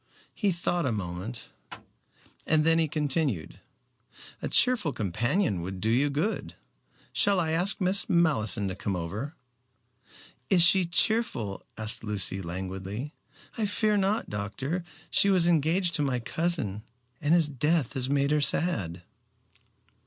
He thought a moment and then continued, "A cheerful companion would do you good. Shall I ask Miss Malleson to come over." "Is she cheerful?" asked Lucy languidly. "I fear not, doctor. She was engaged to my cousin, and his death has made her sad."